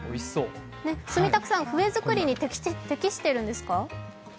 住宅さん、笛作りに適してるんですか？